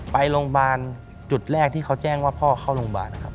ไปโรงพยาบาลจุดแรกที่เขาแจ้งว่าพ่อเข้าโรงพยาบาลนะครับ